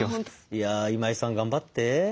いや今井さん頑張って。